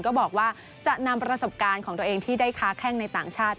ก็บอกว่าจะนำประสบการณ์ของตัวเองที่ได้ค้าแข้งในต่างชาติ